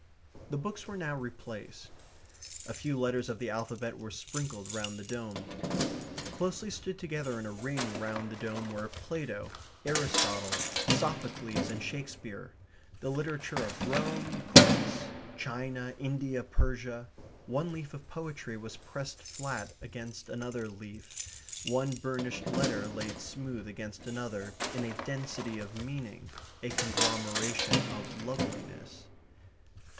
The books were now replaced. A few letters of the alphabet were sprinkled round the dome. Closely stood together in a ring round the dome were Plato, Aristotle, Sophocles, and Shakespeare; the literature of Rome, Greece, China, India, Persia. One leaf of poetry was pressed flat against another leaf, one burnished letter laid smooth against another in a density of meaning, a conglomeration of loveliness.